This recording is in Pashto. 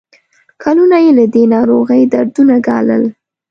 کلونه یې له دې ناروغۍ دردونه ګالل.